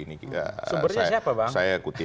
sumbernya siapa bang saya kutip